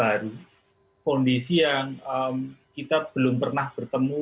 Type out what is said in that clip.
jadi sekarang ini kan di masa pandemi ini memang kondisi yang sama sekali baru kondisi yang kita belum pernah bertemu